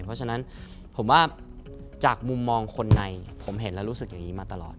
เพราะฉะนั้นผมว่าจากมุมมองคนในผมเห็นแล้วรู้สึกอย่างนี้มาตลอด